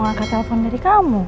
ngakak telpon dari kamu